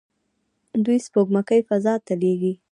دوی سپوږمکۍ فضا ته لیږي.